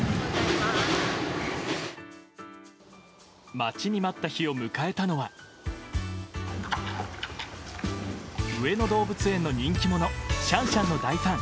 待ちに待った日を迎えたのは上野動物園の人気者シャンシャンの大ファン